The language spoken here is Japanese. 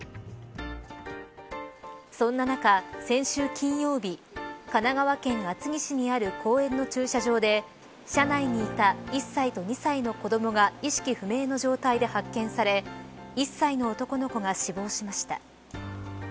そんな中、先週金曜日神奈川県厚木市にある公園の駐車場で車内にいた１歳と２歳の子どもが意識不明の状態で発見され１歳の男の子が死亡しました。